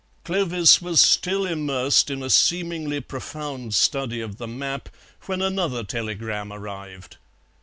Clovis was still immersed in a seemingly profound study of the map when another telegram arrived.